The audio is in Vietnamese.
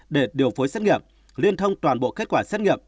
để điều phối xét nghiệm liên thông toàn bộ kết quả xét nghiệm